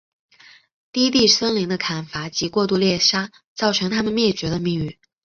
低地森林的砍伐及过度猎杀造成它们灭绝的命运。